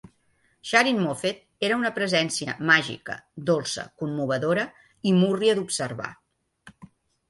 Sharyn Moffett era una presència màgica, dolça, commovedora i múrria d"observar.